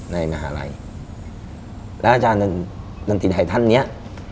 มหาลัยแล้วอาจารย์ดนตรีไทยท่านเนี้ย